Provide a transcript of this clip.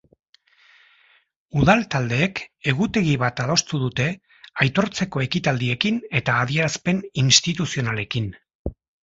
Udal taldeek egutegi bat adostu dute, aitortzeko ekitaldiekin eta adierazpen instituzionalekin.